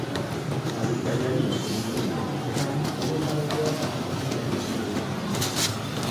Aldizkariari eskaini dion elkarrizketan, bere osaba-izeba famatuenen gainean ere hitz egin du.